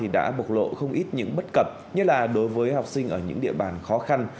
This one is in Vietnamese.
đã bộc lộ không ít những bất cập nhất là đối với học sinh ở những địa bàn khó khăn